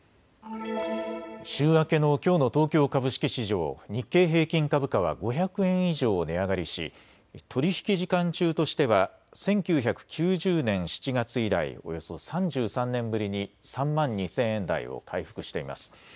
週明けのきょうの東京株式市場、日経平均株価は５００円以上値上がりし取り引き時間中としては１９９０年７月以来およそ３３年ぶりに３万２０００円台を回復しています。